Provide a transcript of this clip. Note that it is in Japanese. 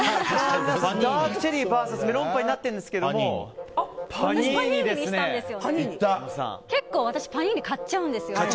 ダークチェリーＶＳメロンパンになっているんですが結構、私、パニーニ買っちゃうんです。